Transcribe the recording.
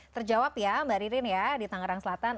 terjawab ya mbak ririn ya di tangerang selatan